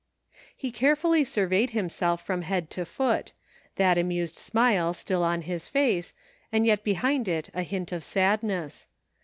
( He carefully surveyed himself from head to foot, that amused smile still on his face, and yet behind it a hint of sadness.